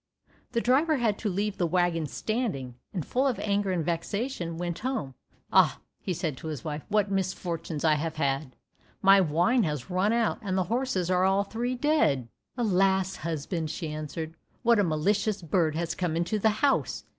The driver had to leave the waggon standing, and full of anger and vexation went home. "Ah," said he to his wife, "what misfortunes I have had! My wine has run out, and the horses are all three dead!" "Alas, husband," she answered, "what a malicious bird has come into the house!